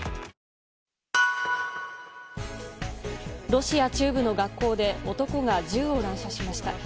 ロシア中部の学校で男が銃を乱射しました。